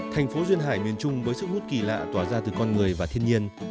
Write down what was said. thành phố duyên hải miền trung với sức hút kỳ lạ tỏa ra từ con người và thiên nhiên